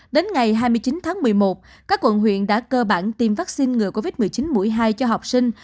đến ngày hai mươi chín tháng một mươi một các quận huyện đã cơ bản tiêm vaccine ngừa covid một mươi chín mũi hai cho học sinh